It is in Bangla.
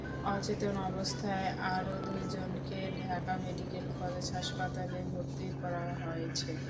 অচেতন অবস্থায় আরও দুজনকে ঢাকা মেডিকেল কলেজ হাসপাতালে ভর্তি করা হয়েছে।